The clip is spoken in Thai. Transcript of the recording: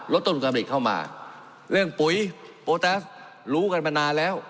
รถตนกรรมฤทธิ์เข้ามาเรื่องปุ๋ยโปรแท็กส์รู้กันมานานแล้ว